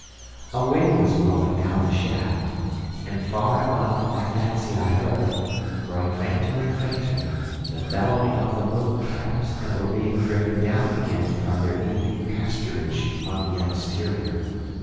A wind was blowing down the shaft, and far above I fancy I heard, growing fainter and fainter, the bellowing of the mooncalves that were being driven down again from their evening pasturage on the exterior.